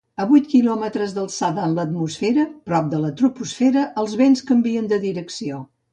A vuit quilòmetres d'alçada en l'atmosfera, prop de la troposfera, els vents canvien de direcció.